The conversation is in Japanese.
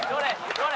どれ？